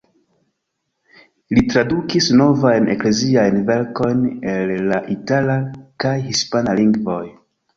Li tradukis novajn ekleziajn verkojn el la itala kaj hispana lingvoj.